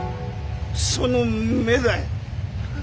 その目だよ。